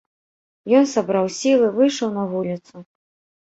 Ён сабраў сілы, выйшаў на вуліцу.